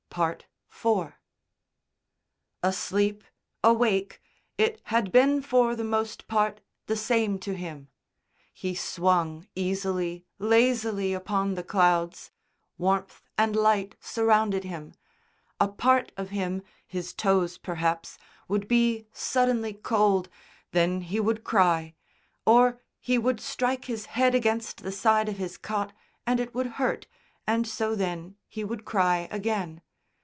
IV Asleep, awake, it had been for the most part the same to him. He swung easily, lazily upon the clouds; warmth and light surrounded him; a part of him, his toes, perhaps, would be suddenly cold, then he would cry, or he would strike his head against the side of his cot and it would hurt, and so then he would cry again.